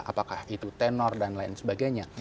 apakah itu tenor dan lain sebagainya